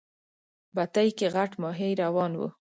بتۍ کې غټ ماهی روان و.